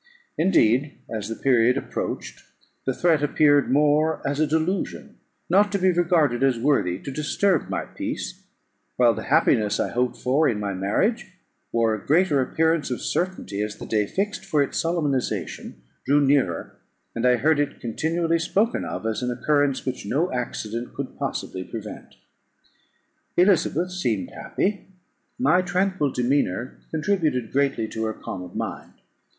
Indeed, as the period approached, the threat appeared more as a delusion, not to be regarded as worthy to disturb my peace, while the happiness I hoped for in my marriage wore a greater appearance of certainty, as the day fixed for its solemnisation drew nearer, and I heard it continually spoken of as an occurrence which no accident could possibly prevent. Elizabeth seemed happy; my tranquil demeanour contributed greatly to calm her mind.